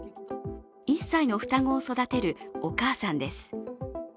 １歳の双子を育てる、お母さんです。